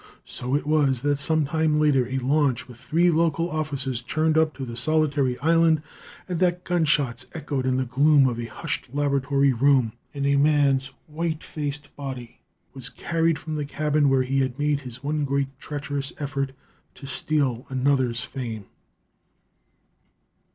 So it was that some time later a launch with three local officers churned up to the solitary island, and that gunshots echoed in the gloom of a hushed laboratory room, and a man's white faced body was carried from the cabin where he had made his one great treacherous effort to steal another's fame.